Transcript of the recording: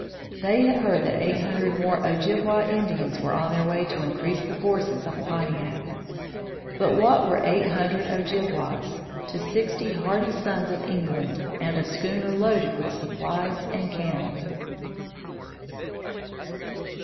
They had heard that eight hundred more Ojibwa Indians were on their way to increase the forces of Pontiac. But what were eight hundred Ojibwas to sixty hardy sons of England and a schooner loaded with supplies and cannon!